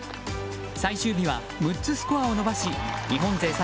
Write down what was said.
最終日は６つスコアを伸ばし日本勢